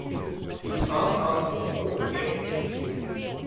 You can't answer for him?